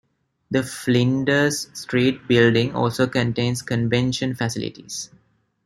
The Flinders Street building also contains convention facilities.